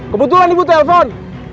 kebetulan ibu telepon